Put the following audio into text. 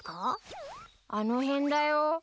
あの辺だよ。